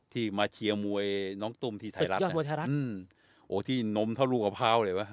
ที่มาเชียงมวยน้องตุ้มที่ไทยรัฐอืมโอ้ที่นมเท่าลูกกะเพราเลยวะ